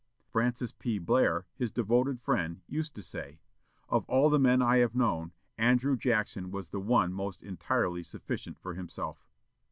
Francis P. Blair, his devoted friend, used to say, "Of all the men I have known, Andrew Jackson was the one most entirely sufficient for himself."